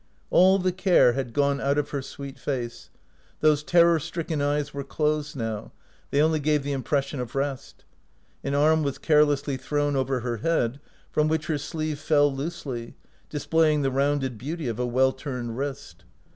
All the care had gone out of her sweet face; thos'e terror stricken eyes were closed now ; they only gave the impression of rest. An arm was carelessly thrown over her head, from which her sleeve fell loosely, displaying the rounded beauty of a well turned wrist.